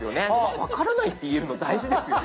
「分からない」って言えるの大事ですよね。